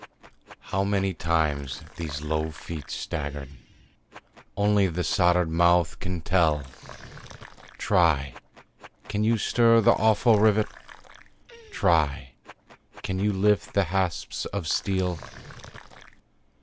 How many times these low feet staggered, Only the soldered mouth can tell; Try! can you stir the awful rivet? Try! can you lift the hasps of steel?